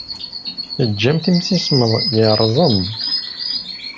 Teǧǧamt imsismeḍ yerẓem.